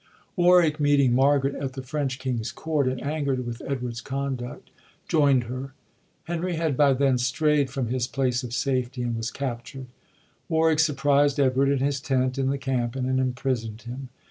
Warwick, meeting Margaret at the French king's court, and angerd with Edward's conduct, joind her. Henry had by then strayd from his place of safety, and was capturd. Warwick surprised Edward in his tent in the camp, and imprisond him.